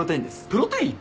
プロテイン？